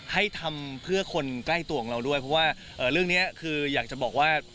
ให้ทำเพื่อคนใกล้ตัวของเราด้วยเพราะว่าเรื่องนี้คืออยากจะบอกว่า